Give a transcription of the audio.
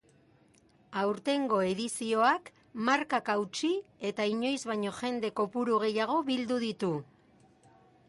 Aurtengo edizioak markak hautsi eta inoiz baino jende kopuru gehiago bildu ditu.